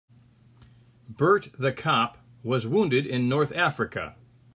Bert the cop was wounded in North Africa.